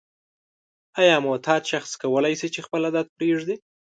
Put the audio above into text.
آیا معتاد شخص کولای شي چې خپل عادت پریږدي؟